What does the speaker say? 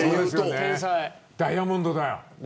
ダイヤモンドだよ。